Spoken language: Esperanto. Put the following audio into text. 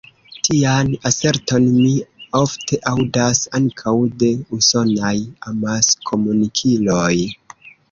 Tian aserton mi ofte aŭdas ankaŭ de usonaj amaskomunikiloj.